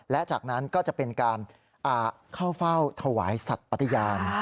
และจากนั้นก็จะเป็นการเข้าเฝ้าถวายสัตว์ปฏิญาณ